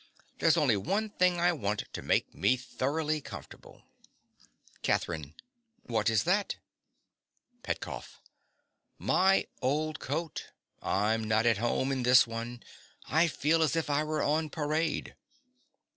There's only one thing I want to make me thoroughly comfortable. CATHERINE. What is that? PETKOFF. My old coat. I'm not at home in this one: I feel as if I were on parade.